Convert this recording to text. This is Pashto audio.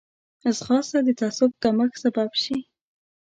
ځغاسته د تعصب کمښت سبب شي